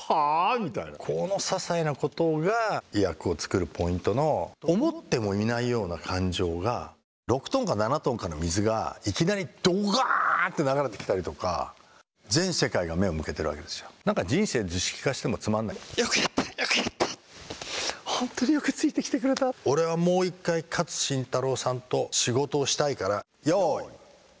みたいなこのささいなことが役を作るポイントの思ってもいないような感情が６トンか７トンかの水がいきなりどがーんって流れてきたりとか全世界が目を向けてるわけですよなんか人生、図式化してもつまんないよくやった、よくやった、本当によくついてきてくれた俺はもう１回、勝新太郎さんと仕事をしたいからよーい！